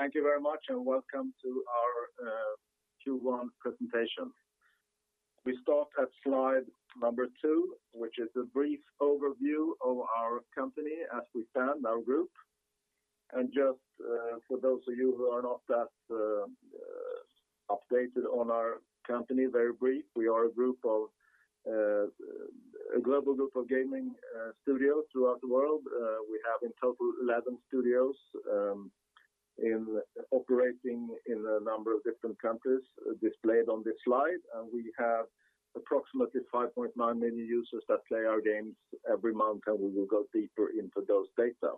Thank you very much. Welcome to our Q1 presentation. We start at slide number two, which is a brief overview of our company as we stand, our group. Just for those of you who are not that updated on our company, very brief, we are a global group of gaming studios throughout the world. We have in total 11 studios operating in a number of different countries displayed on this slide. We have approximately 5.9 million users that play our games every month. We will go deeper into those data.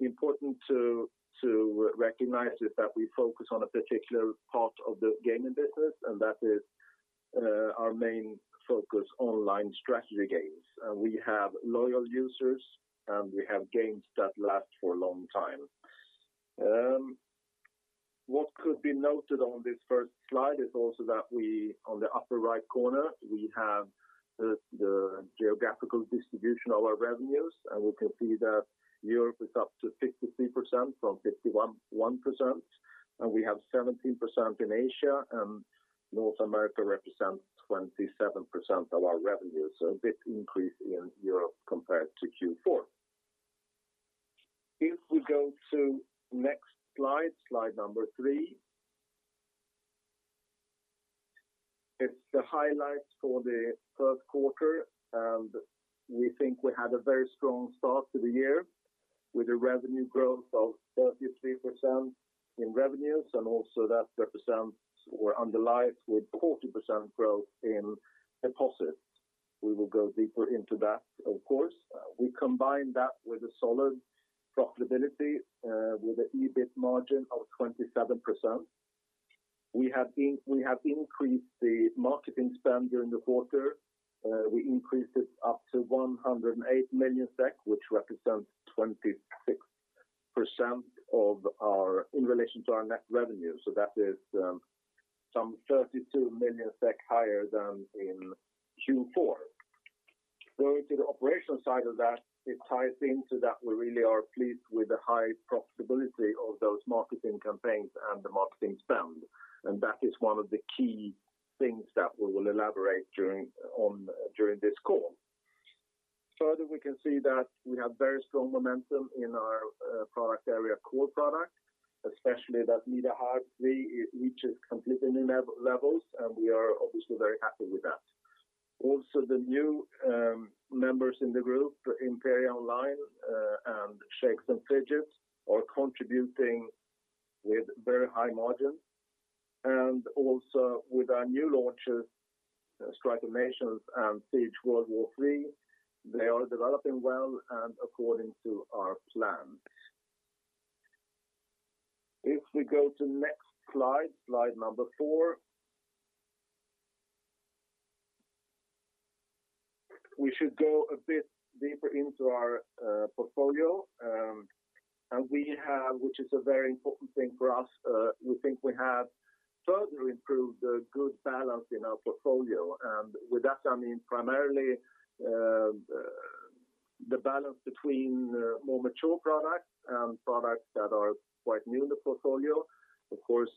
Important to recognize is that we focus on a particular part of the gaming business. That is our main focus, online strategy games. We have loyal users. We have games that last for a long time. What could be noted on this first slide is also that on the upper right corner, we have the geographical distribution of our revenues. We can see that Europe is up to 53% from 51%. We have 17% in Asia. North America represents 27% of our revenues. A big increase in Europe compared to Q4. If we go to next slide number three. It's the highlights for the third quarter. We think we had a very strong start to the year with a revenue growth of 33% in revenues. Also, that represents or underlies with 40% growth in deposits. We will go deeper into that, of course. We combine that with a solid profitability, with a EBIT margin of 27%. We have increased the marketing spend during the quarter. We increased it up to 108 million SEK, which represents 26% in relation to our net revenue. That is some 32 million SEK higher than in Q4. Going to the operational side of that, it ties into that we really are pleased with the high profitability of those marketing campaigns and the marketing spend. That is one of the key things that we will elaborate on during this call. Further, we can see that we have very strong momentum in our product area, core product, especially that Nida Harb 3 reaches completely new levels. We are obviously very happy with that. Also, the new members in the group, Imperia Online, and Shakes & Fidget, are contributing with very high margins. Also with our new launches, Strike of Nations and SIEGE: World War II, they are developing well and according to our plan. If we go to next slide number four. We should go a bit deeper into our portfolio, which is a very important thing for us. We think we have further improved the good balance in our portfolio. With that I mean primarily the balance between more mature products and products that are quite new in the portfolio. Of course,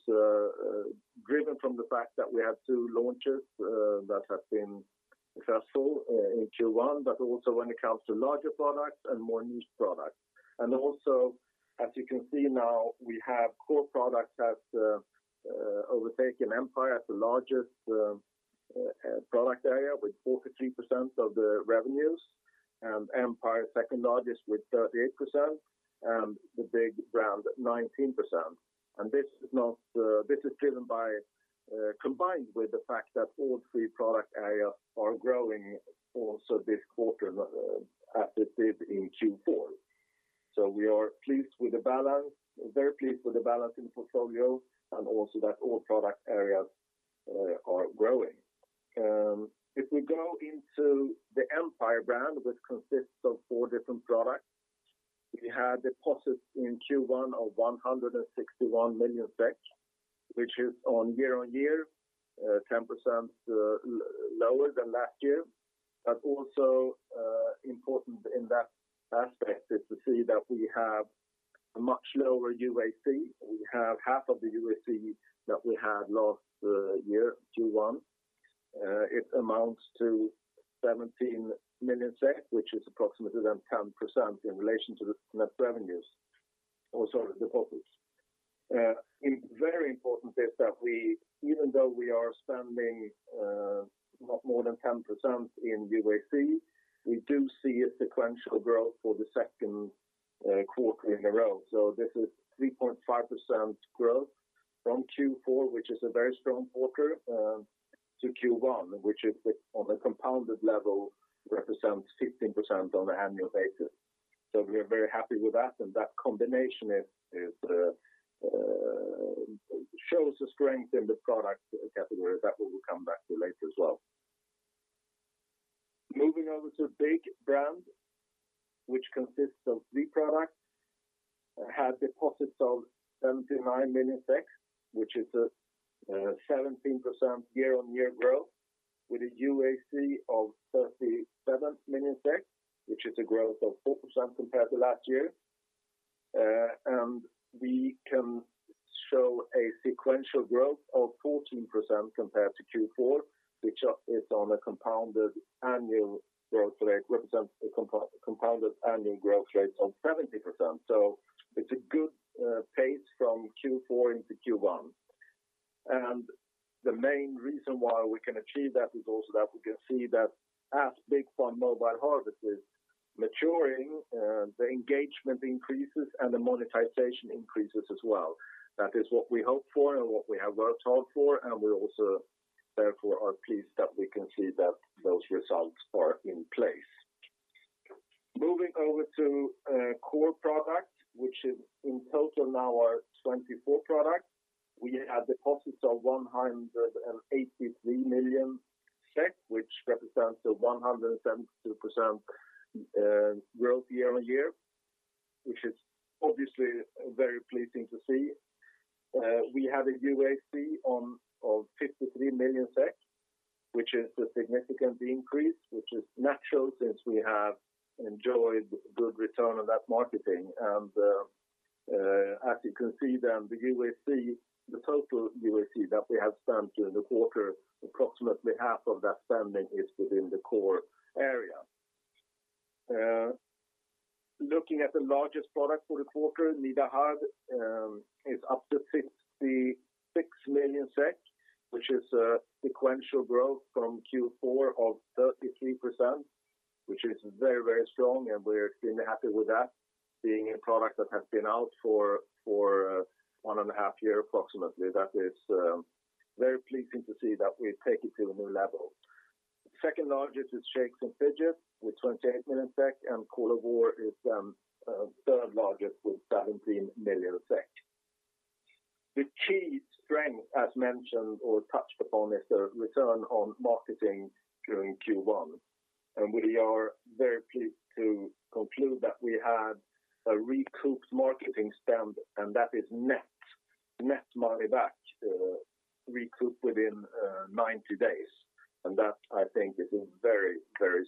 driven from the fact that we have two launches that have been successful in Q1, also when it comes to larger products and more niche products. Also, as you can see now, we have core products that have overtaken Empire as the largest product area with 43% of the revenues. Empire second largest with 38%. Big Farm 19%. This is combined with the fact that all three product areas are growing also this quarter as they did in Q4. We are very pleased with the balance in the portfolio and also that all product areas are growing. If we go into the Empire brand, which consists of four different products, we had deposits in Q1 of 161 million SEK, which is on year-on-year 10% lower than last year. Also important in that aspect is to see that we have a much lower UAC. We have half of the UAC that we had last year, Q1. It amounts to 17 million SEK, which is approximately 10% in relation to the net revenues, also the deposits. Very important is that even though we are spending not more than 10% in UAC, we do see a sequential growth for the second quarter in a row. This is 3.5% growth from Q4, which is a very strong quarter, to Q1, which on a compounded level represents 15% on an annual basis. We are very happy with that, and that combination shows the strength in the product category that we will come back to later as well. Moving over to Big Farm, which consists of three products, has deposits of 79 million, which is a 17% year-on-year growth. With a UAC of 37 million, which is a growth of 4% compared to last year. We can show a sequential growth of 14% compared to Q4, which represents a compounded annual growth rate of 70%. It's a good pace from Q4 into Q1. The main reason why we can achieve that is also that we can see that as Big Farm: Mobile Harvest is maturing, the engagement increases, and the monetization increases as well. That is what we hope for and what we have worked hard for, and we also therefore are pleased that we can see that those results are in place. Moving over to core products, which in total now are 24 products. We have deposits of 183 million, which represents a 172% growth year-on-year, which is obviously very pleasing to see. We have a UAC of 53 million, which is a significant increase, which is natural since we have enjoyed good return on that marketing. As you can see, the total UAC that we have spent during the quarter, approximately half of that spending is within the core area. Looking at the largest product for the quarter, Nida Harb, is up to 66 million SEK, which is a sequential growth from Q4 of 33%, which is very strong, and we're extremely happy with that being a product that has been out for one and a half years approximately. That is very pleasing to see that we've taken to a new level. Second largest is Shakes & Fidget with 28 million SEK, and Call of War is third largest with 17 million SEK. The key strength as mentioned or touched upon is the return on marketing during Q1. We are very pleased to conclude that we had a recouped marketing spend, and that is net money back recouped within 90 days. That I think is a very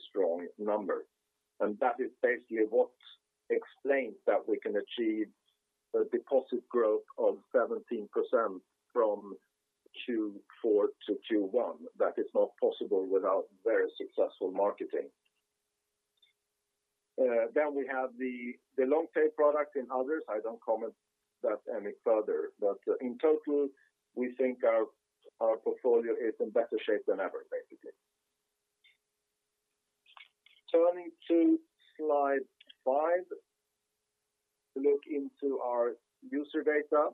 strong number. That is basically what explains that we can achieve a deposit growth of 17% from Q4 to Q1. That is not possible without very successful marketing. We have the long pay product in others. I don't comment that any further. In total, we think our portfolio is in better shape than ever, basically. Turning to slide five, look into our user data.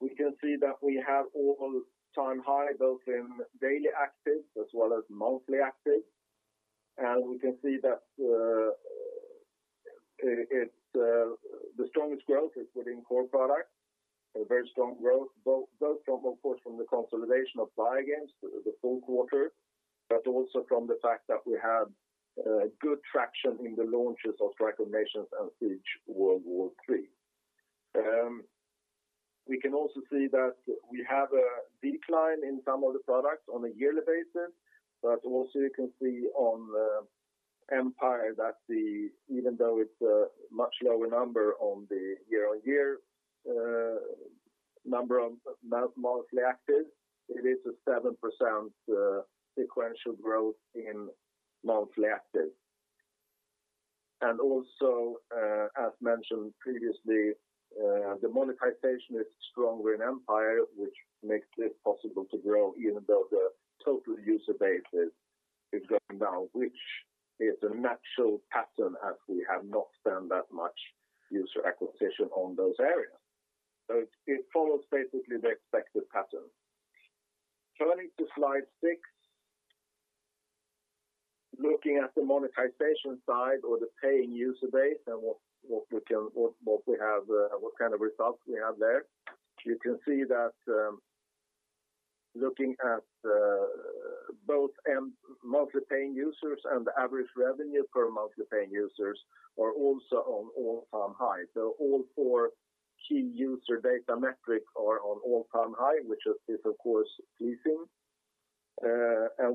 We can see that we have all-time high, both in daily active as well as monthly active. We can see that the strongest growth is within core product. A very strong growth, both from, of course, from the consolidation of Playa Games, the full quarter, but also from the fact that we had good traction in the launches of Strike of Nations and SIEGE: World War II. We can also see that we have a decline in some of the products on a yearly basis, also you can see on the Empire that even though it's a much lower number on the year-on-year number of monthly active, it is a 7% sequential growth in monthly active. Also, as mentioned previously, the monetization is stronger in Empire, which makes it possible to grow even though the total user base is going down, which is a natural pattern as we have not spent that much user acquisition on those areas. It follows basically the expected pattern. Turning to slide six, looking at the monetization side or the paying user base and what kind of results we have there. You can see that looking at both monthly paying users and the average revenue per monthly paying users are also on all-time high. All four key user data metric are on all-time high, which is of course pleasing.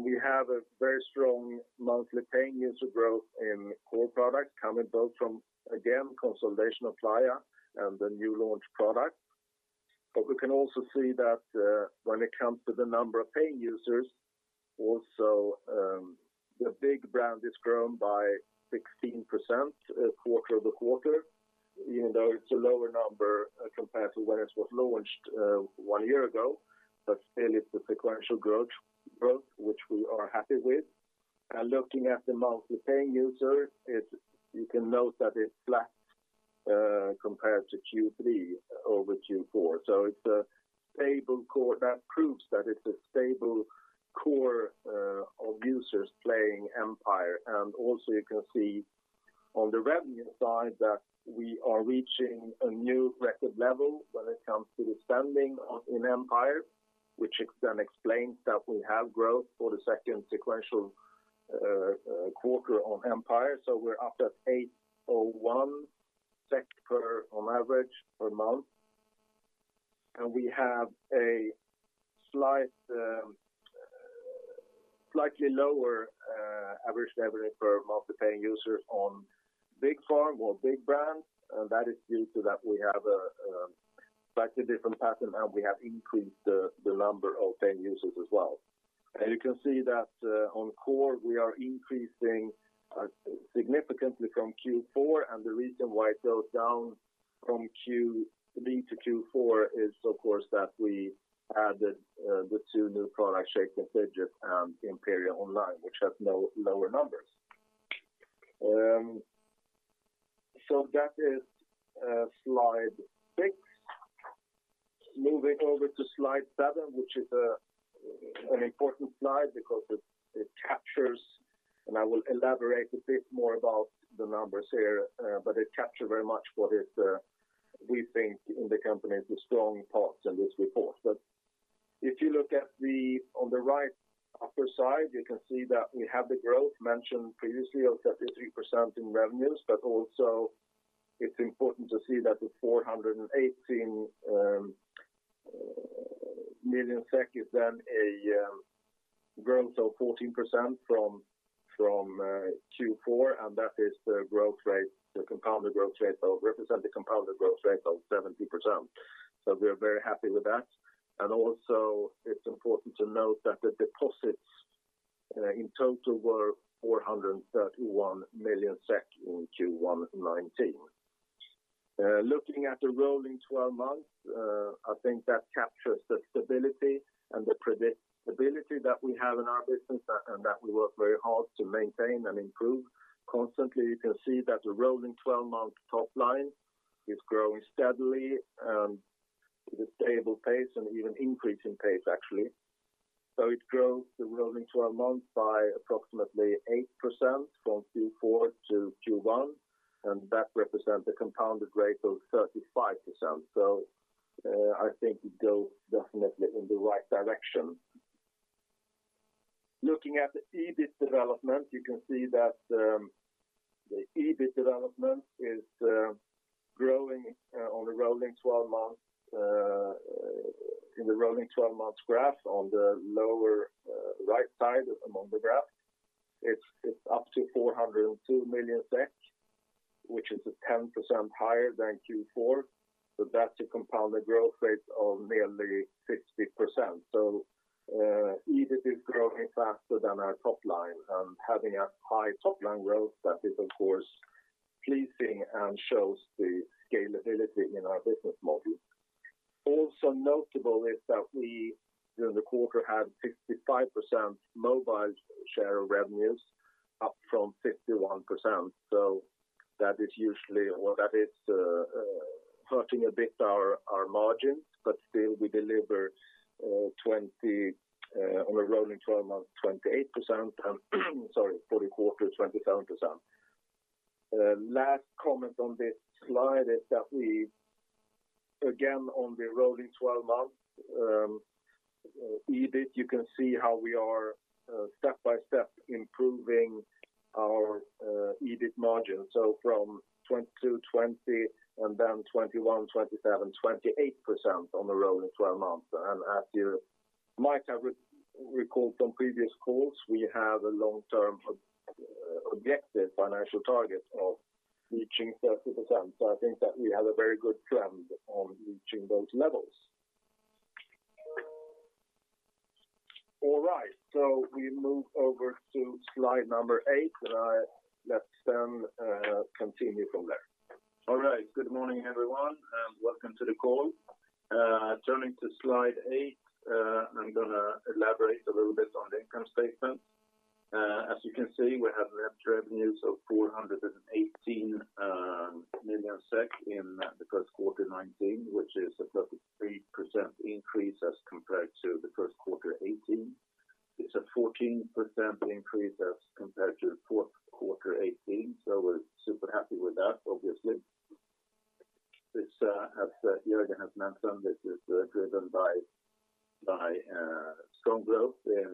We have a very strong monthly paying user growth in core product coming both from, again, consolidation of Playa and the new launch product. We can also see that when it comes to the number of paying users, also the Big Farm has grown by 16% quarter-over-quarter, even though it's a lower number compared to when it was launched one year ago. Still it's a sequential growth, which we are happy with. Looking at the monthly paying user, you can note that it's flat compared to Q3 over Q4. That proves that it's a stable core of users playing Empire. Also you can see on the revenue side that we are reaching a new record level when it comes to the spending in Empire, which explains that we have growth for the second sequential quarter on Empire. We're up to SEK 801 on average per month. We have a slightly lower average revenue per monthly paying users on Big Farm or Big Farm. That is due to that we have a slightly different pattern, and we have increased the number of paying users as well. You can see that on core, we are increasing significantly from Q4, and the reason why it goes down from Q3 to Q4 is, of course, that we added the two new products, Shakes & Fidget and Imperia Online, which have lower numbers. That is slide six. Moving over to slide seven, which is an important slide because it captures, and I will elaborate a bit more about the numbers here, but it captures very much what we think in the company is the strong parts of this report. If you look on the right upper side, you can see that we have the growth mentioned previously of 33% in revenues. Also it's important to see that the 418 million SEK is then a growth of 14% from Q4, and that represents the compounded growth rate of 17%. We are very happy with that. Also it's important to note that the deposits in total were 431 million SEK in Q1 2019. Looking at the rolling 12 months, I think that captures the stability and the predictability that we have in our business, and that we work very hard to maintain and improve constantly. You can see that the rolling 12-month top line is growing steadily, with a stable pace and even increasing pace, actually. It grows the rolling 12 months by approximately 8% from Q4 to Q1, and that represents a compounded rate of 35%. I think it goes definitely in the right direction. Looking at the EBIT development, you can see that the EBIT development is growing in the rolling 12 months graph on the lower right side among the graph. It's up to 402 million SEK, which is 10% higher than Q4. That's a compounded growth rate of nearly 60%. EBIT is growing faster than our top line and having a high top-line growth that is, of course, pleasing and shows the scalability in our business model. Also notable is that we, during the quarter, had 65% mobile share of revenues, up from 51%. That is hurting a bit our margins, but still we deliver on a rolling 12 months, 28%, and sorry, for the quarter, 27%. Last comment on this slide is that we, again, on the rolling 12 months, EBIT, you can see how we are step by step improving our EBIT margin. From 22%, 20%, and then 21%, 27%, 28% on the rolling 12 months. As you might have recalled from previous calls, we have a long-term objective financial target of reaching 30%. I think that we have a very good trend on reaching those levels. All right, we move over to slide number eight, and I let Sten continue from there. All right. Good morning, everyone, and welcome to the call. Turning to slide eight, I'm going to elaborate a little bit on the income statement. As you can see, we have revenues of 418 million SEK in the first quarter 2019, which is a 33% increase as compared to the first quarter 2018. It's a 14% increase as compared to the fourth quarter 2018. We're super happy with that, obviously. As Jörgen has mentioned, this is driven by strong growth in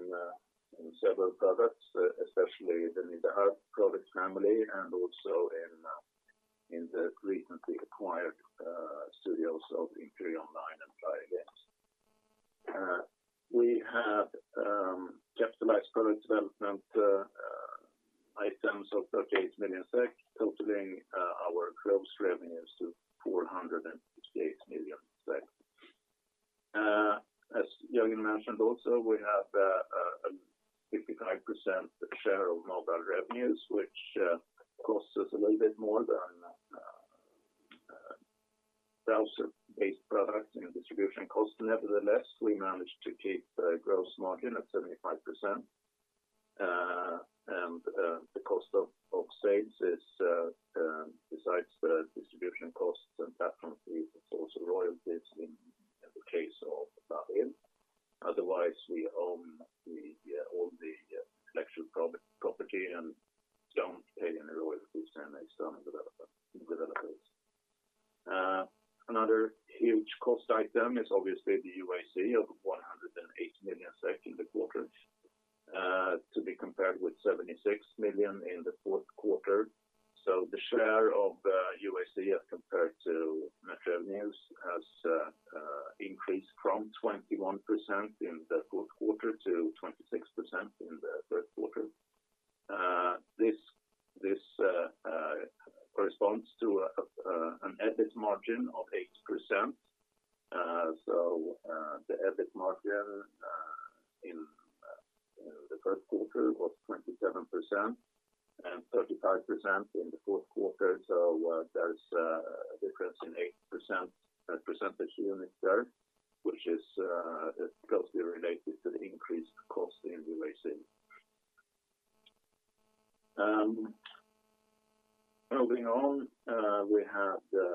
several products, especially in the Heart product family and also in the recently acquired studios of Imperia Online and Playrix. We have capitalized product development items of 38 million SEK, totaling our gross revenues to 458 million SEK. As Jörgen mentioned also, we have a 55% share of mobile revenues, which costs us a little bit more than browser-based products in the distribution cost. Nevertheless, we managed to keep the gross margin at 75%, and the cost of sales, besides the distribution costs and platform fees, it's also royalties in the case of that. Otherwise, we own all the intellectual property and don't pay any royalties to any external developers. Another huge cost item is obviously the UAC of 108 million compared with 76 million in the fourth quarter. The share of UAC as compared to net revenues has increased from 21% in the fourth quarter to 26% in the first quarter. This corresponds to an EBIT margin of 8%. The EBIT margin in the first quarter was 27% and 35% in the fourth quarter. There's a difference in eight percentage units there, which is closely related to the increased cost in UAC. Moving on, we have the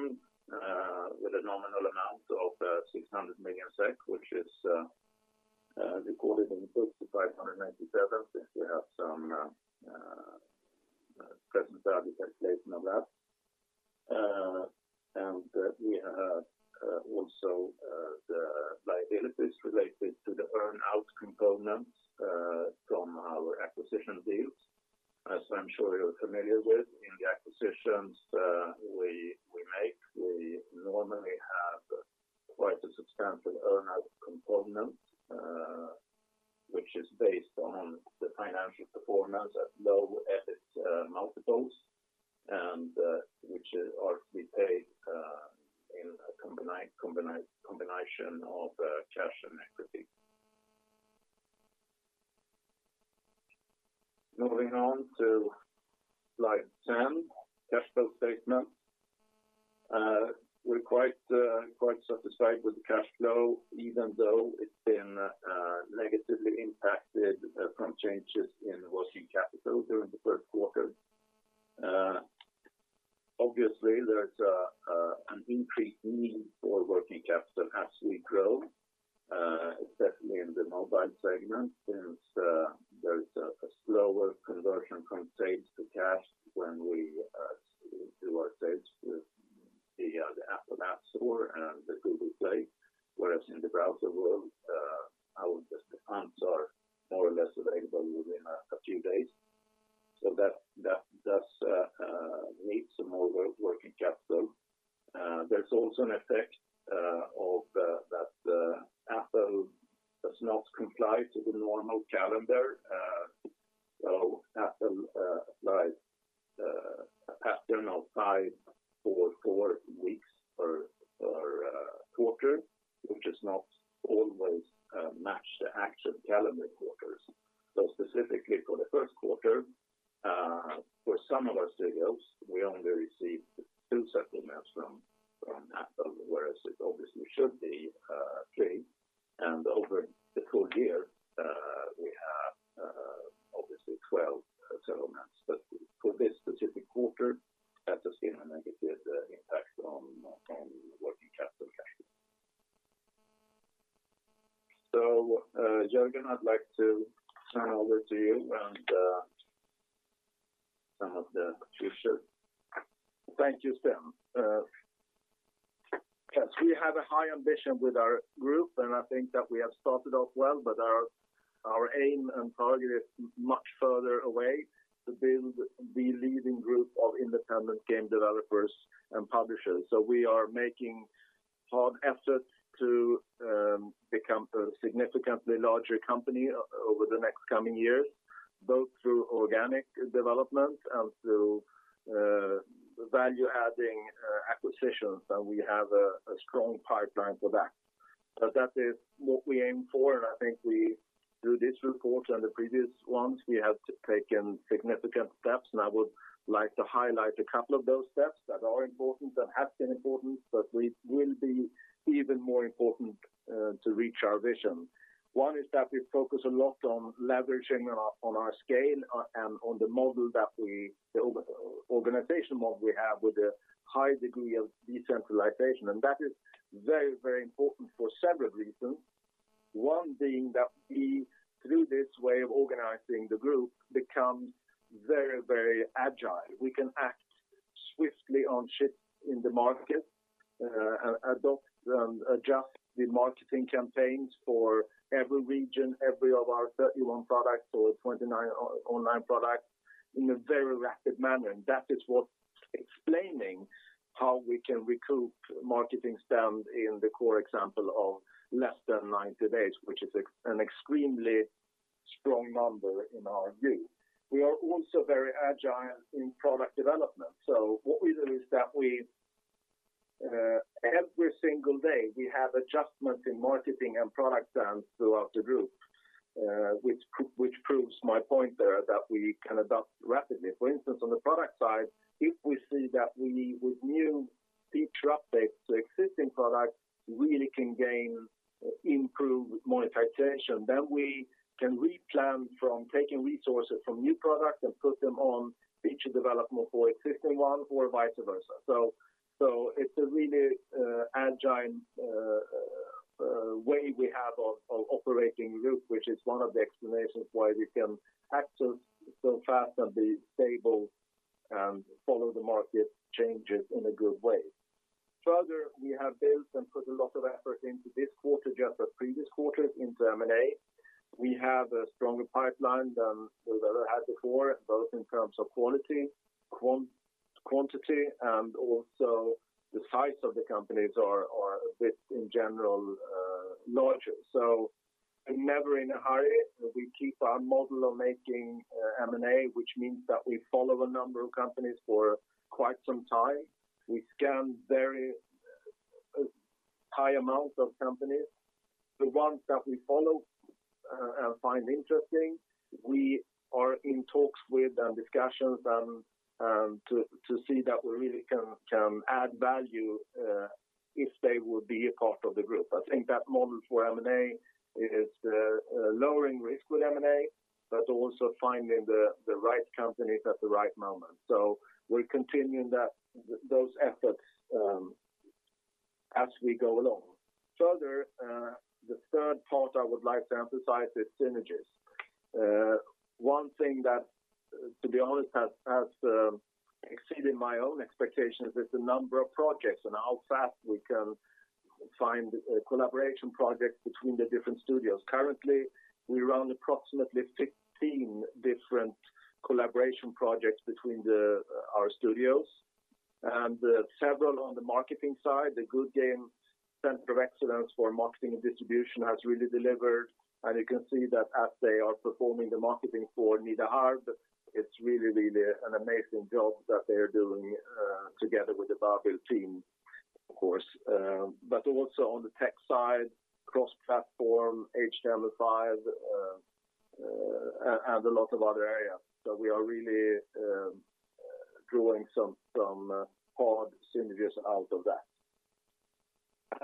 with a nominal amount of 600 million SEK, which is recorded in the book to 597, since we have some present value calculation of that. We have also the liabilities related to the earn-out components from our acquisition deals. As I'm sure you're familiar with, in the acquisitions we make, we normally have quite a substantial earn-out component, which is based on the financial performance at low EBIT multiples, which are repaid in a combination of cash and equity. Moving on to slide 10, cash flow statement. We're quite satisfied with the cash flow, even though it's been negatively impacted from changes in working capital during the first quarter. Obviously, there's an increased need for working capital as we grow, especially in the mobile segment, since there's a slower conversion from sales to cash when we do our sales with the Apple App Store and the Google Play. Whereas in the browser world, our funds are more or less available within a few days. That does need some more working capital. There's also an effect that Apple does not comply to the normal calendar. Apple applies a pattern of five or four weeks per quarter, which does not always match the actual calendar quarters. Specifically for the first quarter, for some of our studios, we only received two settlements from Apple, whereas it obviously should be three, and over the full year, we have obviously 12 settlements. For this specific quarter, that has been a negative impact on working capital cash. Jörgen, I'd like to turn over to you and have the future. Thank you, Sten. We have a high ambition with our group, I think that we have started off well, our aim and target is much further away to build the leading group of independent game developers and publishers. We are making hard efforts to become a significantly larger company over the next coming years, both through organic development and through value-adding acquisitions, we have a strong pipeline for that. That is what we aim for, I think we, through this report and the previous ones, we have taken significant steps, I would like to highlight a couple of those steps that are important, that have been important, will be even more important to reach our vision. One is that we focus a lot on leveraging on our scale and on the organization model we have with a high degree of decentralization. That is very important for several reasons. One being that we, through this way of organizing the group, become very agile. We can act swiftly on shifts in the market, adopt and adjust the marketing campaigns for every region, every of our 31 products or 29 online products in a very rapid manner. That is what's explaining how we can recoup marketing spend in the core example of less than 90 days, which is an extremely strong number in our view. We are also very agile in product development. What we do is that every single day we have adjustments in marketing and product plans throughout the group which proves my point there that we can adapt rapidly. For instance, on the product side, if we see that with new feature updates to existing products, we really can improve monetization, we can replan from taking resources from new products and put them on feature development for existing ones or vice versa. It's a really agile way we have of operating group, which is one of the explanations why we can act so fast and be stable and follow the market changes in a good way. Further, we have built and put a lot of effort into this quarter, just like the previous quarters in M&A. We have a stronger pipeline than we've ever had before, both in terms of quality, quantity, and also the size of the companies are a bit in general larger. We're never in a hurry. We keep our model of making M&A, which means that we follow a number of companies for quite some time. We scan very high amounts of companies. The ones that we follow and find interesting, we are in talks with and discussions to see that we really can add value if they would be a part of the group. I think that model for M&A is lowering risk with M&A, but also finding the right companies at the right moment. We're continuing those efforts as we go along. Further, the third part I would like to emphasize is synergies. One thing that, to be honest, has exceeded my own expectations is the number of projects and how fast we can find collaboration projects between the different studios. Currently, we run approximately 15 different collaboration projects between our studios and several on the marketing side. The Goodgame Center of Excellence for marketing and distribution has really delivered, and you can see that as they are performing the marketing for Nida Harb, it's really an amazing job that they are doing together with the Babil Games team, of course. But also on the tech side, cross-platform, HTML5, and a lot of other areas. We are really drawing some hard synergies out of that.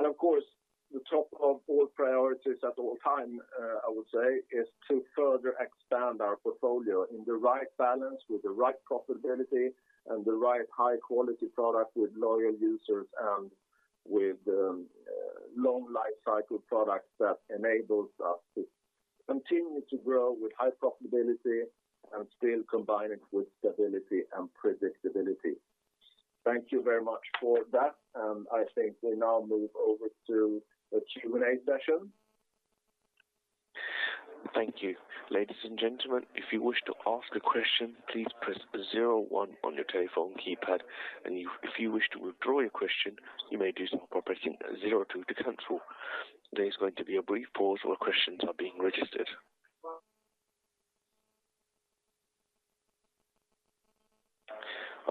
Of course, the top of all priorities at all time, I would say, is to further expand our portfolio in the right balance with the right profitability and the right high-quality product with loyal users and with long lifecycle products that enables us to continue to grow with high profitability and still combine it with stability and predictability. Thank you very much for that. I think we now move over to the Q&A session. Thank you. Ladies and gentlemen, if you wish to ask a question, please press 01 on your telephone keypad, and if you wish to withdraw your question, you may do so by pressing 02 to cancel. There is going to be a brief pause while questions are being registered.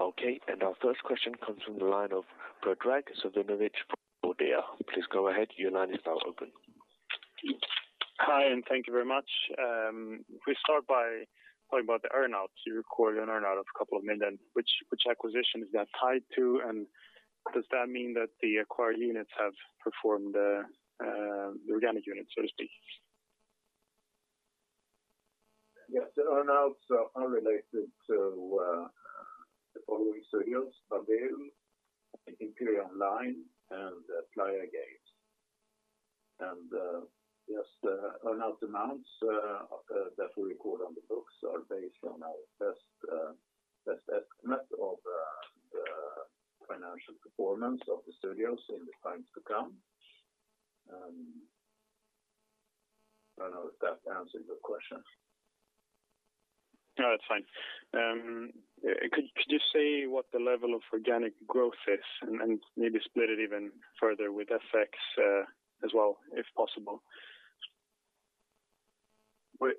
Okay, our first question comes from the line of Predrag Stojadinovic from NVIDIA. Please go ahead. Your line is now open. Hi. Thank you very much. Can we start by talking about the earn-outs you recorded, an earn-out of SEK a couple of million, which acquisition is that tied to, and does that mean that the acquired units have performed, the organic units, so to speak? Yes. The earn-outs are related to the following studios, Babil Games, Imperia Online, and PLAYA Games. Yes, the earn-out amounts that we record on the books are based on our best estimate of the financial performance of the studios in the times to come. I don't know if that answers your question. No, that's fine. Could you say what the level of organic growth is, maybe split it even further with FX as well, if possible?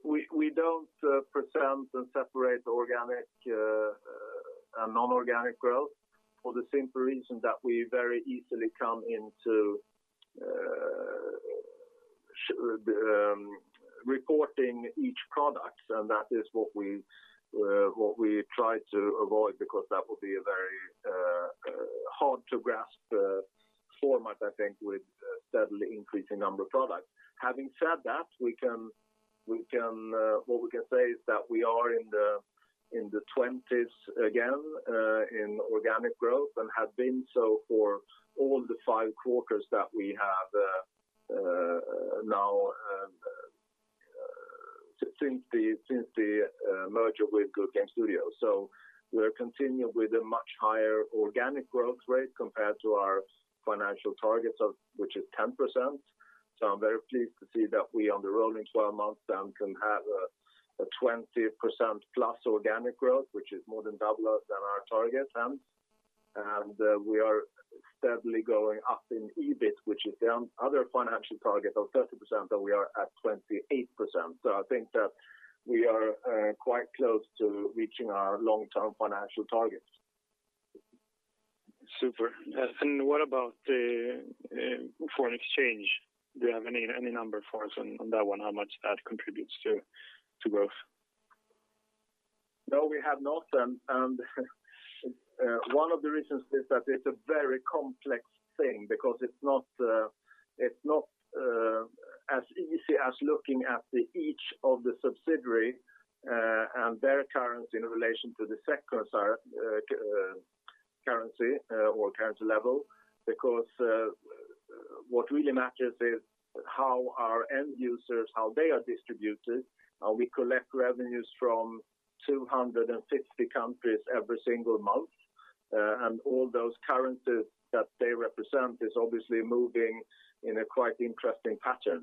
We don't present separate organic and non-organic growth for the simple reason that we very easily come into reporting each product, that is what we try to avoid because that will be a very hard-to-grasp format, I think, with steadily increasing number of products. Having said that, what we can say is that we are in the 20s again in organic growth have been so for all the five quarters that we have now since the merger with Goodgame Studios. We're continuing with a much higher organic growth rate compared to our financial targets, which is 10%. I'm very pleased to see that we on the rolling 12-month down can have a 20%-plus organic growth, which is more than double than our targets. We are steadily going up in EBIT, which is the other financial target of 30%, but we are at 28%. I think that we are quite close to reaching our long-term financial targets. Super. What about foreign exchange? Do you have any number for us on that one, how much that contributes to growth? No, we have not. One of the reasons is that it's a very complex thing because it's not as easy as looking at each of the subsidiary and their currency in relation to the sector currency or currency level. What really matters is how our end users, how they are distributed. We collect revenues from 250 countries every single month, and all those currencies that they represent is obviously moving in a quite interesting pattern.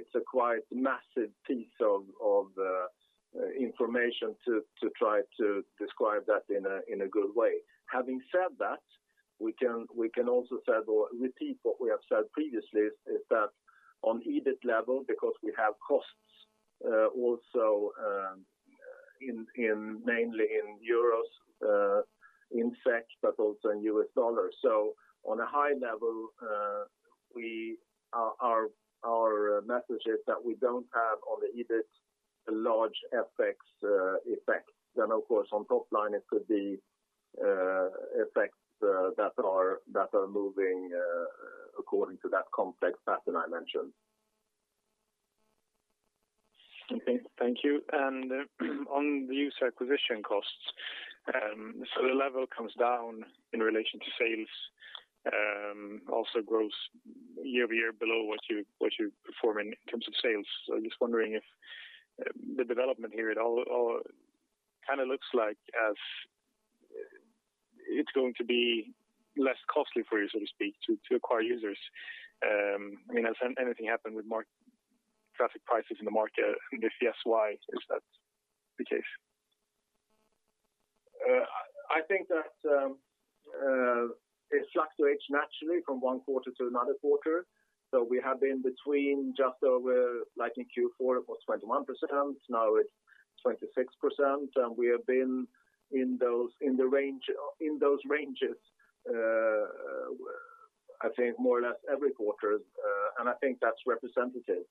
It's a quite massive piece of information to try to describe that in a good way. Having said that, we can also repeat what we have said previously, is that on EBIT level because we have costs also mainly in EUR, in SEK, but also in USD. On a high level, our message is that we don't have, on the EBIT, a large FX effect. Of course, on top line, it could be effects that are moving according to that complex pattern I mentioned. Okay. Thank you. On the User Acquisition Costs, the level comes down in relation to sales, also grows year-over-year below what you perform in terms of sales. Just wondering if the development here at all kind of looks like as it's going to be less costly for you, so to speak, to acquire users. Has anything happened with traffic prices in the market? If yes, why is that the case? I think that it fluctuates naturally from one quarter to another quarter. We have been between just over. Like in Q4, it was 21%, now it's 26%, and we have been in those ranges, I think more or less every quarter. I think that's representative.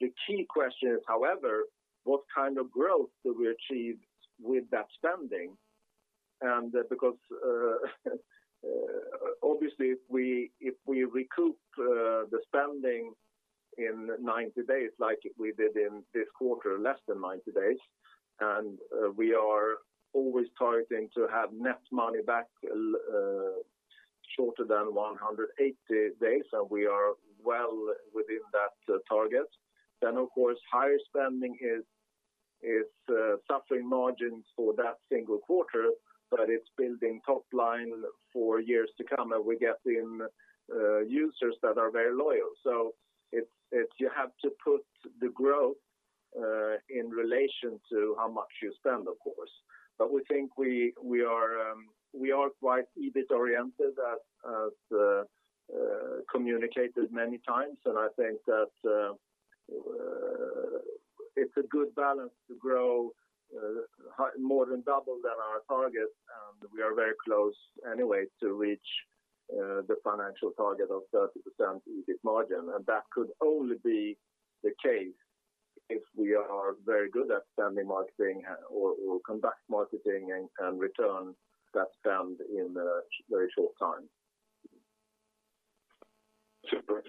The key question is, however, what kind of growth do we achieve with that spending? Because obviously if we recoup the spending in 90 days like we did in this quarter, less than 90 days, and we are always targeting to have net money back shorter than 180 days, and we are well within that target. Of course, higher spending is suffering margins for that single quarter, but it's building top line for years to come, and we get in users that are very loyal. You have to put the growth in relation to how much you spend, of course. We think we are quite EBIT-oriented as communicated many times, and I think that it's a good balance to grow more than double that our target, and we are very close anyway to reach the financial target of 30% EBIT margin. That could only be the case if we are very good at spending marketing or combat marketing and return that spend in a very short time. Super.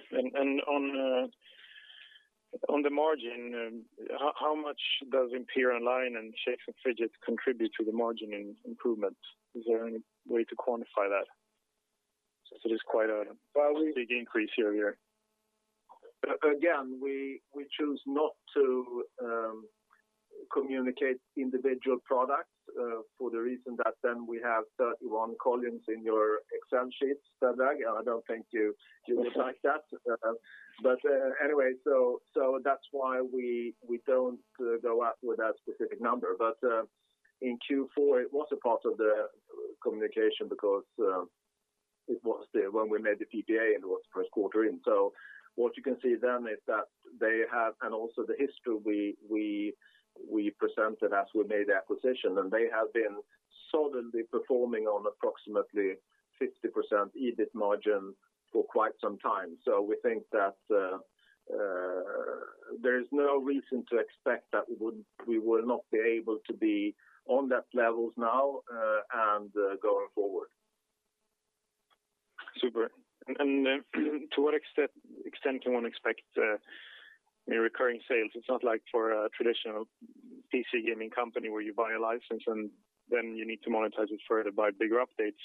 On the margin, how much does Imperia Online and Shakes & Fidget contribute to the margin improvement? Is there any way to quantify that? Because it is quite a big increase year-over-year. Again, we choose not to communicate individual products for the reason that then we have 31 columns in your Excel sheets, Pedrag, and I don't think you would like that. Anyway, that's why we don't go out with that specific number. In Q4, it was a part of the communication because it was there when we made the PPA, and it was the first quarter in. What you can see then is that they have, and also the history we presented as we made the acquisition, and they have been solidly performing on approximately 50% EBIT margin for quite some time. We think that there is no reason to expect that we will not be able to be on that level now and going forward. Super. To what extent can one expect recurring sales? It is not like for a traditional PC gaming company where you buy a license and then you need to monetize it further, buy bigger updates.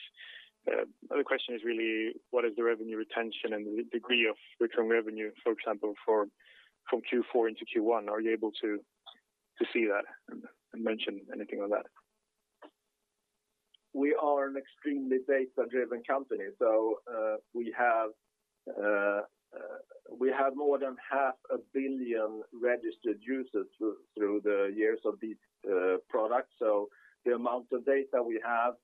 The question is really, what is the revenue retention and the degree of return revenue, for example, from Q4 into Q1? Are you able to see that and mention anything on that? We are an extremely data-driven company. We have more than half a billion registered users through the years of these products. The amount of data we have,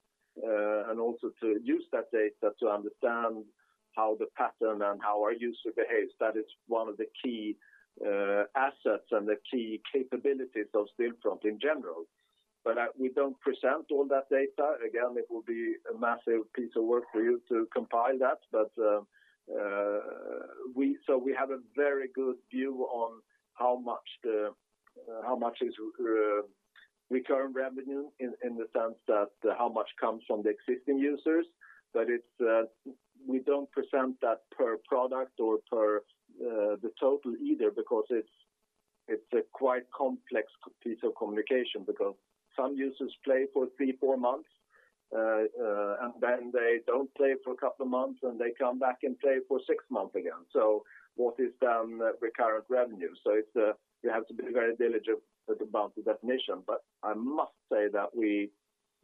and also to use that data to understand how the pattern and how our user behaves, that is one of the key assets and the key capabilities of Stillfront in general. We do not present all that data. Again, it will be a massive piece of work for you to compile that. We have a very good view on how much is recurring revenue in the sense that how much comes from the existing users. We do not present that per product or per the total either because it is a quite complex piece of communication because some users play for three, four months, and then they do not play for a couple of months, and they come back and play for six months again. What is then recurrent revenue? You have to be very diligent about the definition. I must say that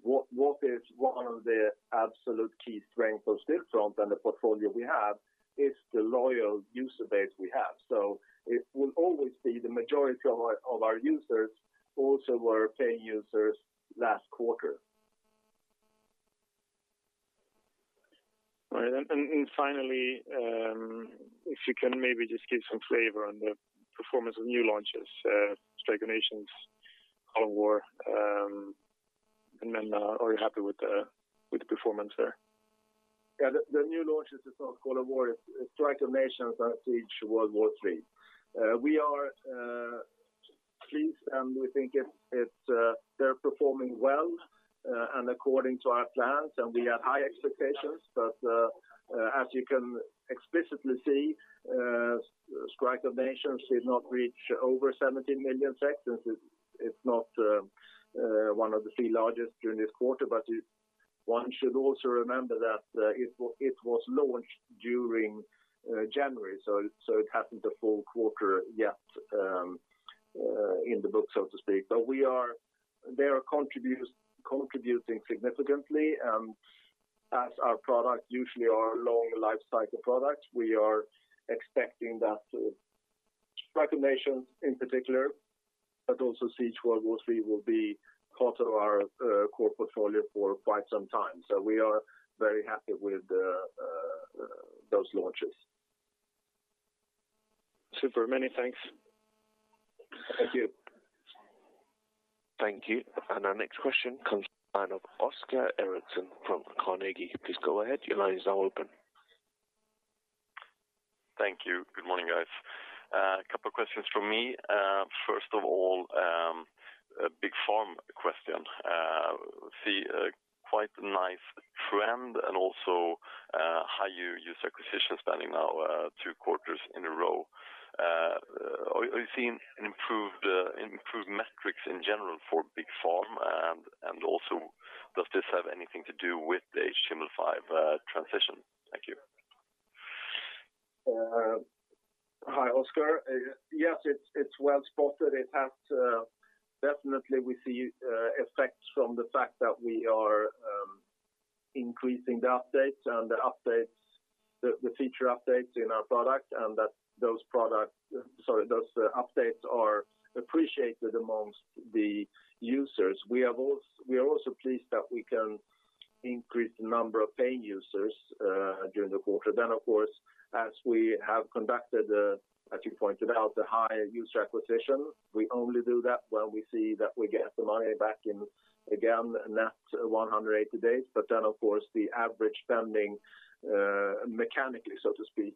what is one of the absolute key strengths of Stillfront and the portfolio we have is the loyal user base we have. It will always be the majority of our users also were paying users last quarter. Right. Finally, if you can maybe just give some flavor on the performance of new launches, Strike of Nations, Call of War, are you happy with the performance there? The new launch is not "Call of War." It's "Strike of Nations" and "SIEGE: World War II." We are pleased, we think they're performing well, according to our plans, and we have high expectations. As you can explicitly see, "Strike of Nations" did not reach over 17 million sectors. It's not one of the three largest during this quarter, one should also remember that it was launched during January, so it hasn't a full quarter yet in the books, so to speak. They are contributing significantly, as our product usually are long lifecycle products, we are expecting that "Strike of Nations" in particular, but also "SIEGE: World War II" will be part of our core portfolio for quite some time. We are very happy with those launches. Super. Many thanks. Thank you. Thank you. Our next question comes from the line of Oskar Eriksson from Carnegie. Please go ahead. Your line is now open. Thank you. Good morning, guys. A couple of questions from me. First of all, Big Farm question. See a quite nice trend and also higher user acquisition spending now two quarters in a row. Are you seeing an improved metrics in general for Big Farm? Does this have anything to do with the HTML5 transition? Thank you. Hi, Oskar. Yes, it's well-spotted. We see effects from the fact that we are increasing the updates and the feature updates in our product, and that those updates are appreciated amongst the users. We are also pleased that we can increase the number of paying users during the quarter. As we have conducted, as you pointed out, the high user acquisition, we only do that when we see that we get the money back in, again, net 180 days. The average spending mechanically, so to speak,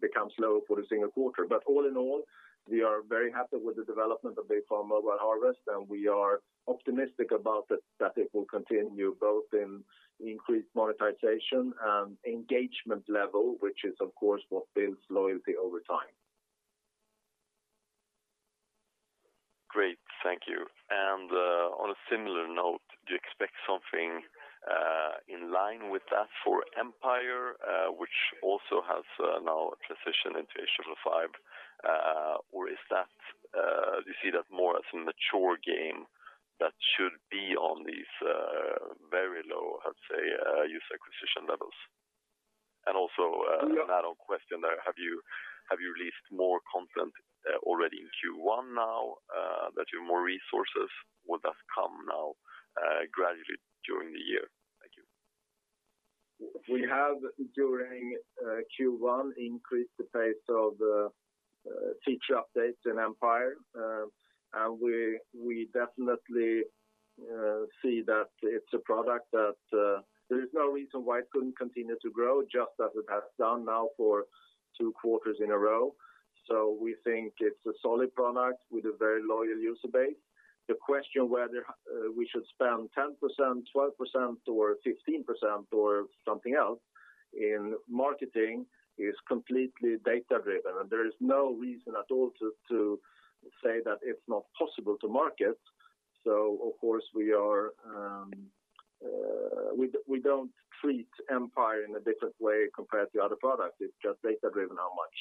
becomes lower for a single quarter. All in all, we are very happy with the development of Big Farm: Mobile Harvest, and we are optimistic that it will continue both in increased monetization and engagement level, which is, of course, what builds loyalty over time. Great. Thank you. On a similar note, do you expect something in line with that for Empire which also has now transitioned into HTML5, or do you see that more as a mature game that should be on these very low, I'd say, user acquisition levels? An add-on question there, have you released more content already in Q1 now that you have more resources? Will that come now gradually during the year? Thank you. We have, during Q1, increased the pace of the feature updates in Empire. We definitely see that it's a product that there is no reason why it couldn't continue to grow just as it has done now for two quarters in a row. We think it's a solid product with a very loyal user base. The question whether we should spend 10%, 12% or 15% or something else in marketing is completely data-driven, and there is no reason at all to say that it's not possible to market. Of course, we don't treat Empire in a different way compared to other products. It's just data-driven how much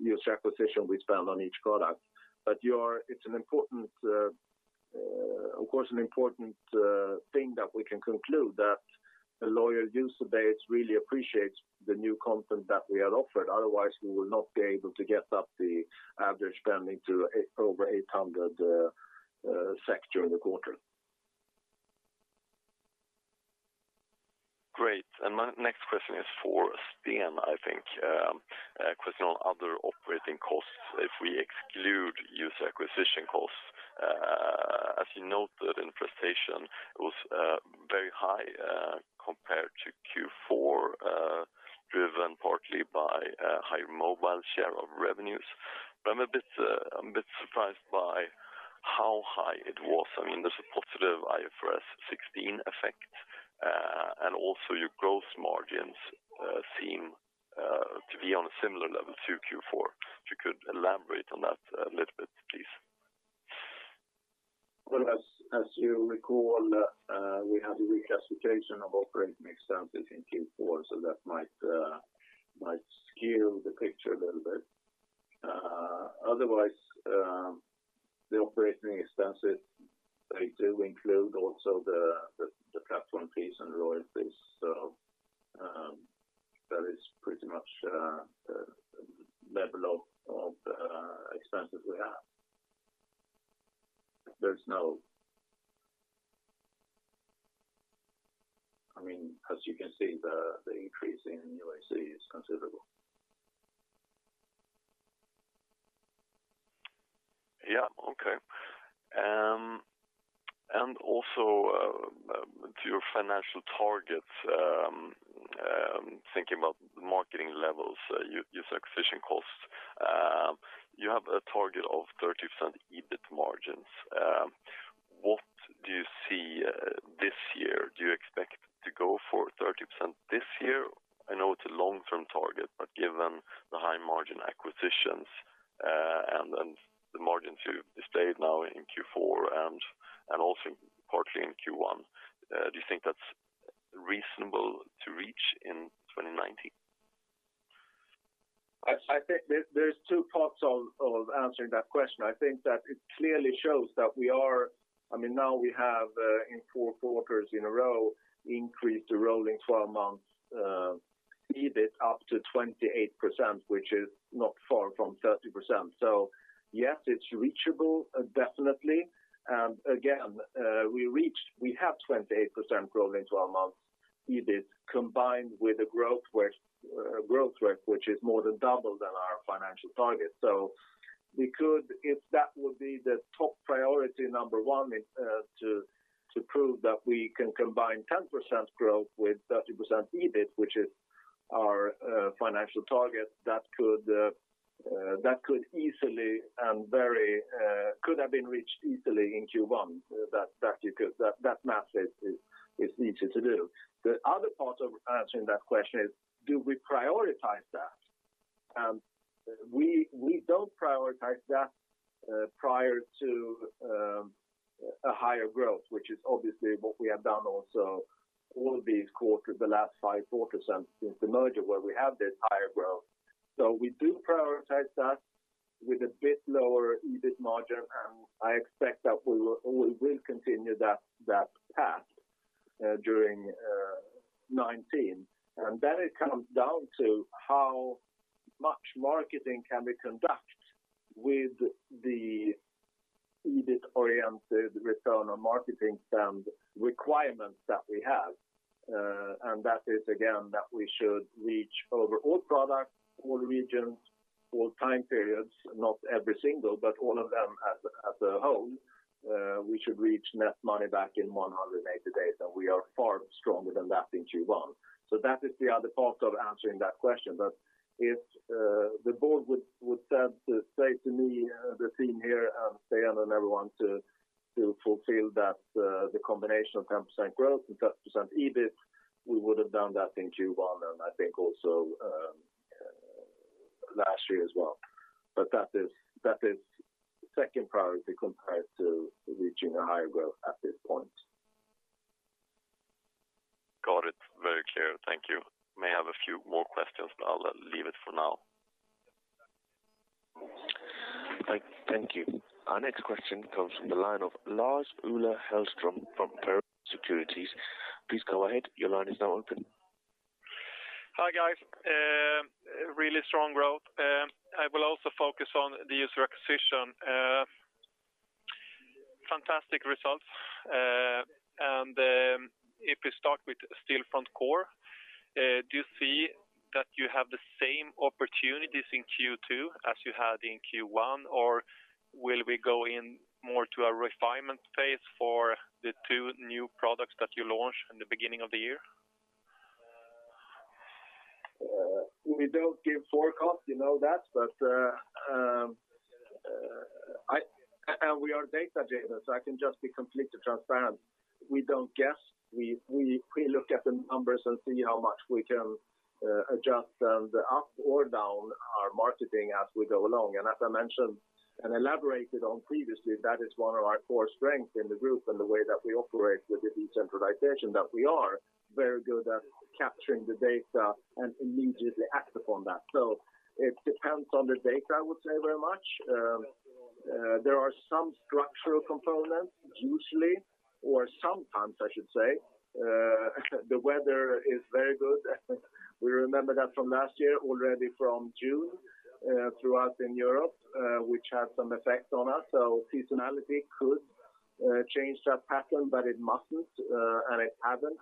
user acquisition we spend on each product. It's of course an important thing that we can conclude that the loyal user base really appreciates the new content that we have offered. Otherwise, we will not be able to get up the average spending to over 800 during the quarter. Great. My next question is for Sten, I think. A question on other operating costs, if we exclude user acquisition costs. As you noted in presentation, it was very high compared to Q4, driven partly by higher mobile share of revenues. I'm a bit surprised by how high it was. There's a positive IFRS 16 effect, and also your growth margins seem to be on a similar level to Q4. If you could elaborate on that a little bit, please. Well, as you recall, we had a reclassification of operating expenses in Q4, that might skew the picture a little bit. Otherwise, the operating expenses, they do include also the platform fees and royalties. That is pretty much the level of expenses we have. As you can see, the increase in UAC is considerable. Yeah. Okay. Also, to your financial targets, thinking about marketing levels, user acquisition costs, you have a target of 30% EBIT margins. What do you see this year? Do you expect to go for 30% this year? I know it's a long-term target, given the high-margin acquisitions, and then the margin to stay now in Q4 and also partly in Q1, do you think that's reasonable to reach in 2019? I think there's two parts of answering that question. I think that it clearly shows that now we have in four quarters in a row increased the rolling 12 months EBIT up to 28%, which is not far from 30%. Yes, it's reachable, definitely. Again, we have 28% rolling 12 months EBIT combined with a growth rate which is more than double than our financial target. If that would be the top priority number one to prove that we can combine 10% growth with 30% EBIT, which is our financial target, that could have been reached easily in Q1. That math is easy to do. The other part of answering that question is, do we prioritize that? We don't prioritize that prior to a higher growth, which is obviously what we have done also all these quarters, the last five quarters since the merger, where we have this higher growth. We do prioritize that with a bit lower EBIT margin, I expect that we will continue that path during 2019. It comes down to how much marketing can we conduct with the EBIT-oriented return on marketing spend requirements that we have. That is, again, that we should reach over all products, all regions, all time periods, not every single, but all of them as a whole, we should reach net money back in 180 days, and we are far stronger than that in Q1. That is the other part of answering that question. If the board would say to me, the team here, and Sten and everyone to fulfill the combination of 10% growth and 30% EBIT, we would have done that in Q1, and I think also last year as well. That is second priority compared to reaching a higher growth at this point. Got it. Very clear. Thank you. May have a few more questions, but I'll leave it for now. Thank you. Our next question comes from the line of Lars-Ola Hellström from Pareto Securities. Please go ahead. Your line is now open. Hi, guys. Really strong growth. I will also focus on the user acquisition. Fantastic results. If we start with Stillfront Core, do you see that you have the same opportunities in Q2 as you had in Q1, or will we go in more to a refinement phase for the two new products that you launched in the beginning of the year? We don't give forecasts, you know that. We are data-driven, so I can just be completely transparent. We don't guess. We look at the numbers and see how much we can adjust them up or down our marketing as we go along. As I mentioned and elaborated on previously, that is one of our core strengths in the group and the way that we operate with the decentralization, that we are very good at capturing the data and immediately act upon that. It depends on the data, I would say, very much. There are some structural components usually, or sometimes I should say. The weather is very good. We remember that from last year already from June throughout in Europe, which had some effect on us. Seasonality could change that pattern, but it mustn't, and it hasn't,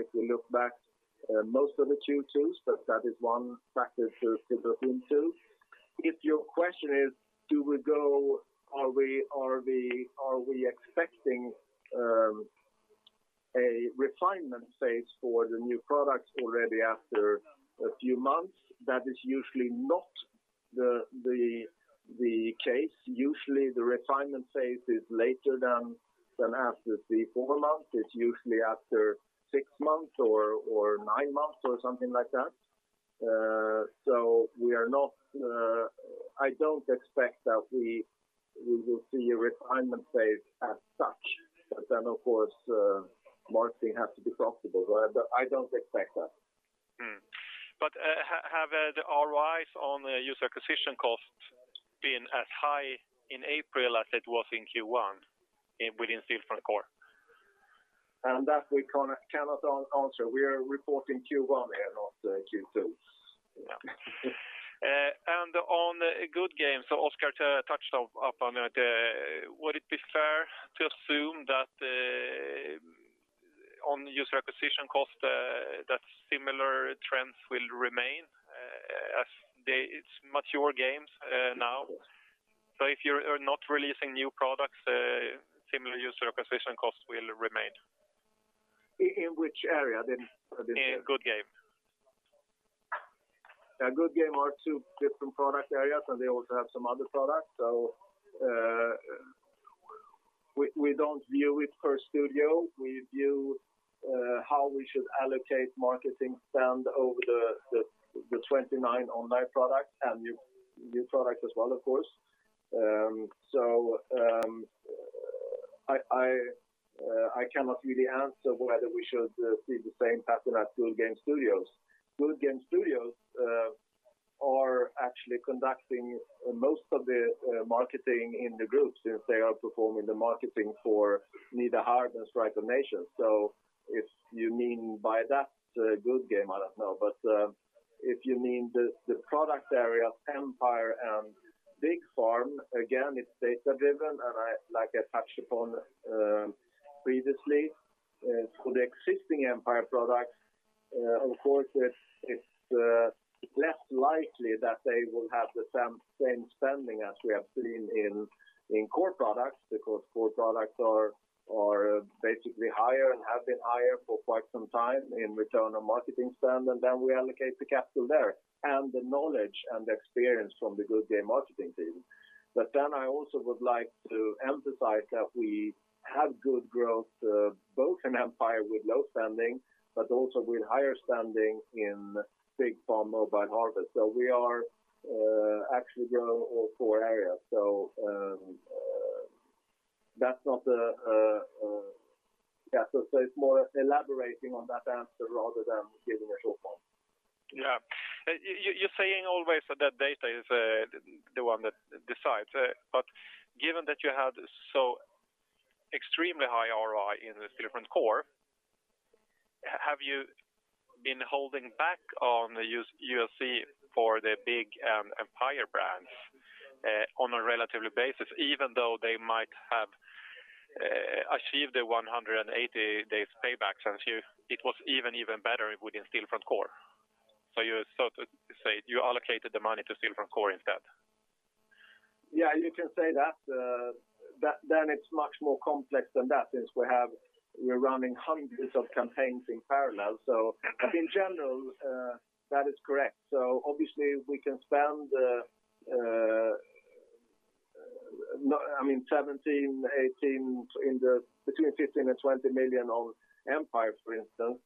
if we look back most of the Q2s, but that is one factor to look into. If your question is, are we expecting a refinement phase for the new products already after a few months? That is usually not the case. Usually, the refinement phase is later than after the four months. It's usually after six months or nine months or something like that. I don't expect that we will see a refinement phase as such, but then, of course, marketing has to be profitable. I don't expect that. Have the ROIs on User Acquisition Costs been as high in April as it was in Q1 within Stillfront Core? That we cannot answer. We are reporting Q1 here, not Q2. On Goodgame, Oskar touched up on it. Would it be fair to assume that on User Acquisition Cost, that similar trends will remain. It's mature games now. If you're not releasing new products, similar User Acquisition Costs will remain. In which area, then? In Goodgame. Goodgame are two different product areas, and they also have some other products. We don't view it per studio. We view how we should allocate marketing spend over the 29 online products and new product as well, of course. I cannot really answer whether we should see the same pattern at Goodgame Studios. Goodgame Studios are actually conducting most of the marketing in the group since they are performing the marketing for Nida Harb and Strike of Nations. If you mean by that Goodgame, I don't know. If you mean the product area of Empire and Big Farm, again, it's data-driven, and like I touched upon previously, for the existing Empire products, of course, it's less likely that they will have the same spending as we have seen in core products, because core products are basically higher and have been higher for quite some time in return on marketing spend, and then we allocate the capital there, and the knowledge and experience from the Goodgame marketing team. I also would like to emphasize that we have good growth, both in Empire with low spending, but also with higher spending in Big Farm: Mobile Harvest. We are actually growing all core areas. It's more elaborating on that answer rather than giving a short one. Yeah. You're saying always that data is the one that decides. Given that you had so extremely high ROI in the Stillfront Core, have you been holding back on the UAC for the Big and Empire brands on a relatively basis, even though they might have achieved the 180 days payback since it was even better within Stillfront Core? You sort of say you allocated the money to Stillfront Core instead. Yeah, you can say that. It's much more complex than that since we're running hundreds of campaigns in parallel. In general, that is correct. Obviously we can spend between 15 million and 20 million on Goodgame Empire, for instance,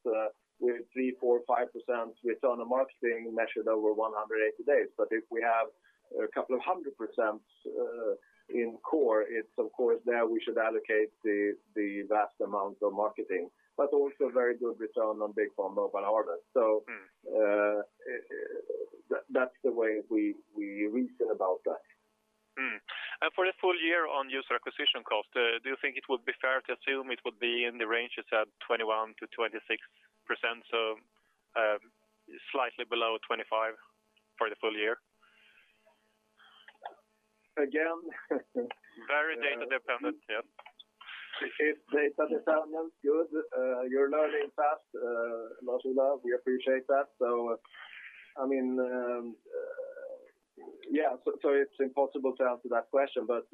with 3%, 4%, 5% return on marketing measured over 180 days. If we have a couple of 100% ROI in core, it's of course there we should allocate the vast amounts of marketing, but also very good return on Big Farm: Mobile Harvest. That's the way we reason about that. For the full year on user acquisition cost, do you think it would be fair to assume it would be in the range of 21%-26%, slightly below 25% for the full year? Again, Very data dependent, yeah. It is data dependent. Good. You're learning fast, Lars-Ola, we appreciate that. Yeah, so it's impossible to answer that question. But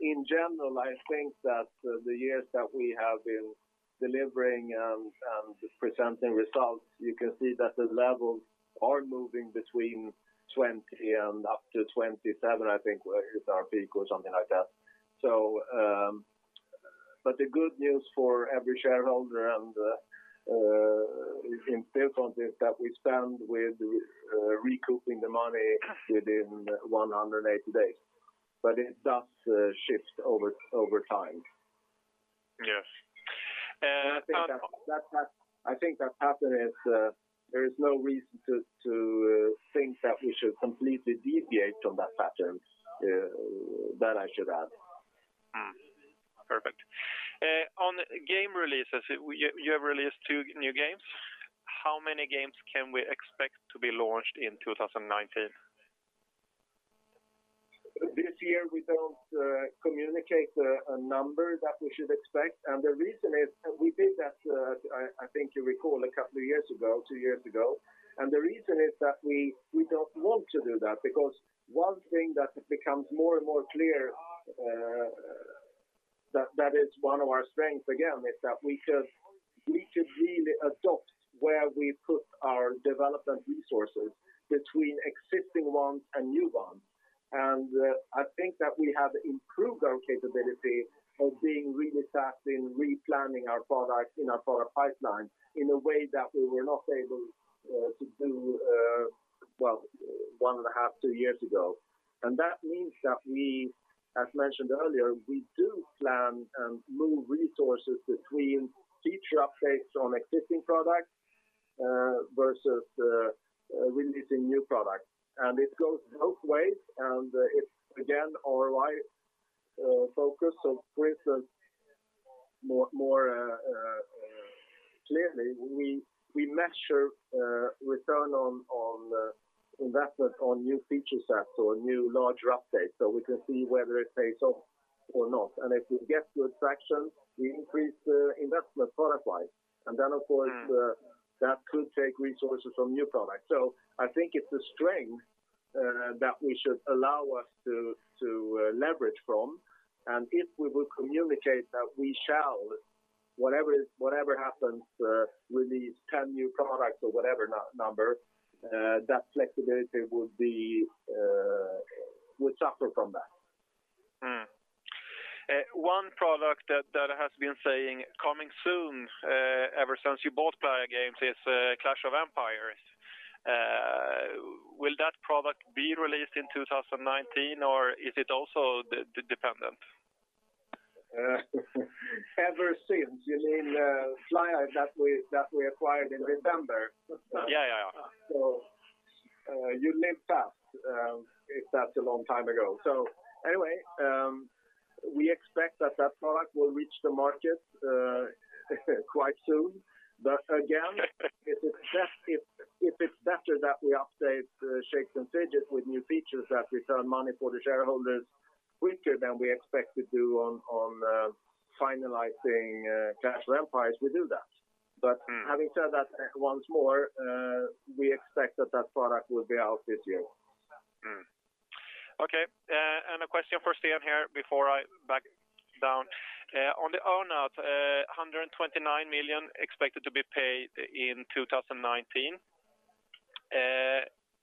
in general, I think that the years that we have been delivering and presenting results, you can see that the levels are moving between 20% and up to 27%, I think, was our peak or something like that. But the good news for every shareholder and in Stillfront is that we stand with recouping the money within 180 days, but it does shift over time. Yes. I think that pattern, there is no reason to think that we should completely deviate from that pattern, that I should add. Hmm. Perfect. On game releases, you have released two new games. How many games can we expect to be launched in 2019? This year we don't communicate a number that we should expect, the reason is we did that, I think you recall, a couple of years ago, two years ago, the reason is that we don't want to do that because one thing that becomes more and more clear, that is one of our strengths, again, is that we should really adopt where we put our development resources between existing ones and new ones. I think that we have improved our capability of being really fast in replanning our products in our product pipeline in a way that we were not able to do, well, one and a half, two years ago. That means that we, as mentioned earlier, we do plan and move resources between feature updates on existing products versus releasing new products. It goes both ways. It's again our focus to put more clearly, we measure return on investment on new feature sets or new larger updates. We can see whether it pays off or not. If we get good traction, we increase investment product-wise, and then of course. That could take resources from new products. I think it's a strength that we should allow us to leverage from, and if we will communicate that we shall, whatever happens, release 10 new products or whatever number, that flexibility would suffer from that. Hmm. One product that has been saying coming soon ever since you bought Flyai Games is Clash of Empires. Will that product be released in 2019, or is it also dependent? Ever since. You mean Flyai that we acquired in November? Yeah. You leap fast if that's a long time ago. Anyway, we expect that that product will reach the market quite soon. Again, if it's better that we update Shakes & Fidget with new features that return money for the shareholders quicker than we expect to do on finalizing Clash of Empires, we do that. Having said that once more, we expect that that product will be out this year. Okay, a question for Sten here before I back down. On the earn-out, 129 million expected to be paid in 2019.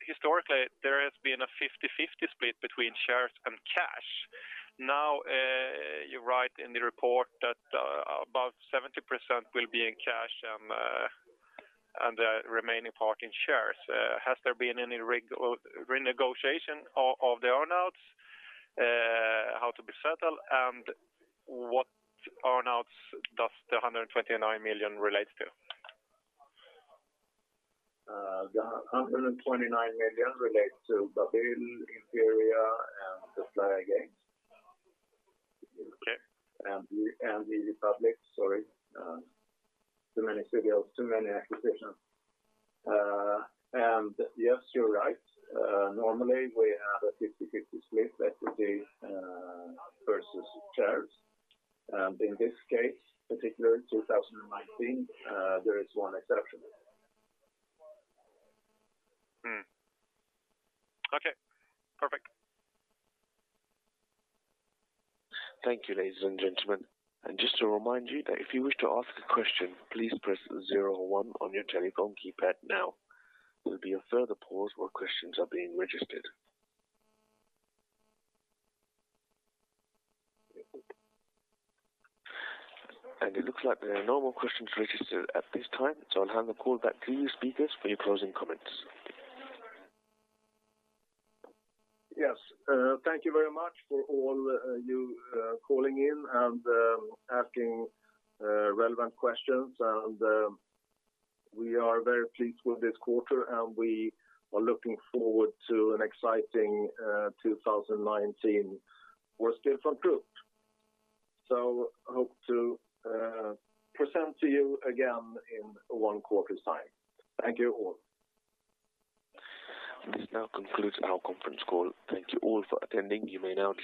Historically, there has been a 50/50 split between shares and cash. You write in the report that about 70% will be in cash, and the remaining part in shares. Has there been any renegotiation of the earn-outs, how to be settled, and what earn-outs does the 129 million relate to? The 129 million relates to Babil Games, Imperia, and the Flyai Games. Okay. eRepublik, sorry. Too many studios, too many acquisitions. Yes, you're right. Normally we have a 50/50 split equity versus shares. In this case, particularly in 2019, there is one exception. Okay, perfect. Thank you, ladies and gentlemen. Just to remind you that if you wish to ask a question, please press 01 on your telephone keypad now. There'll be a further pause while questions are being registered. It looks like there are no more questions registered at this time, I'll hand the call back to you speakers for your closing comments. Thank you very much for all you calling in and asking relevant questions. We are very pleased with this quarter. We are looking forward to an exciting 2019 for Stillfront Group. Hope to present to you again in one quarter's time. Thank you all. This now concludes our conference call. Thank you all for attending. You may now disconnect.